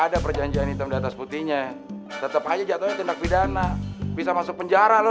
jalan jalan hitam diatas putihnya tetep aja jatohnya tindak pidana bisa masuk penjara lo